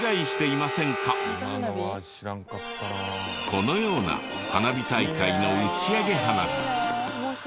このような花火大会の打ち上げ花火。